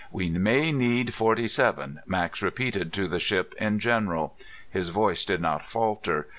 "We may need forty seven," Max repeated to the ship in general. His voice did not falter.